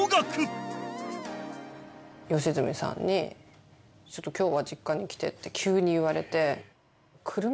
良純さんに「ちょっと今日は実家に来て！」って急に言われて。